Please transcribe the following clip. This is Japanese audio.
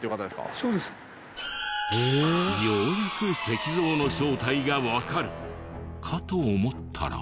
ようやく石像の正体がわかるかと思ったら。